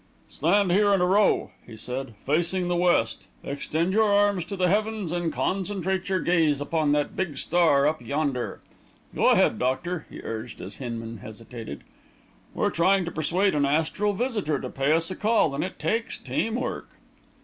"Stand here in a row," he said, "facing the west. Extend your arms to the heavens and concentrate your gaze upon that big star up yonder. Go ahead, doctor," he urged, as Hinman hesitated. "We're trying to persuade an astral visitor to pay us a call, and it takes team work."